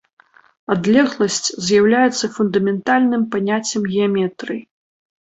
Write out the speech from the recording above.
Адлегласць з'яўляецца фундаментальным паняццем геаметрыі.